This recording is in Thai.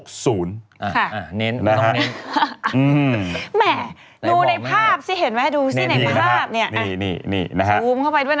ดูในภาพสิเห็นไหมดูในภาพเนี่ย